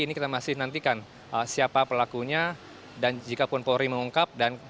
ini kita masih nantikan siapa pelakunya dan jikapun polri mengungkap